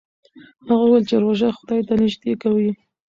هغه وویل چې روژه خدای ته نژدې کوي.